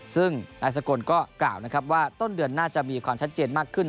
ซึ่งนายสกลก็กล่าวนะครับว่าต้นเดือนน่าจะมีความชัดเจนมากขึ้น